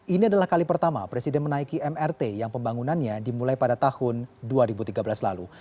ini adalah kali pertama presiden menaiki mrt yang pembangunannya dimulai pada tahun dua ribu tiga belas lalu